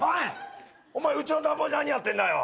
お前うちの田んぼで何やってんだよ。